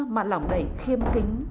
mà lòng đầy khiêm kính